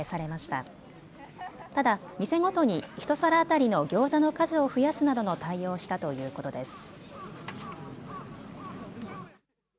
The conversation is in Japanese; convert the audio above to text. ただ店ごとに１皿当たりのギョーザの数を増やすなどの対応をしたということです。